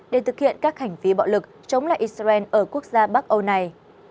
để thực hiện các hành vi bạo lực chống lại israel ở quốc gia bắc âu này